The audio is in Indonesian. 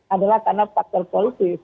adalah karena faktor politik